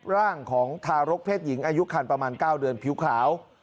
ร่างของทารกเพศหญิงอายุคันประมาณ๙เดือนผิวขาว